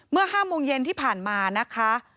เมื่อ๕โมงเย็นที่ผ่านมานะคะ